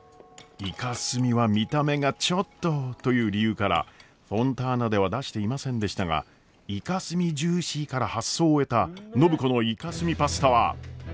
イカスミは見た目がちょっとという理由からフォンターナでは出していませんでしたがイカスミジューシーから発想を得た暢子のイカスミパスタは。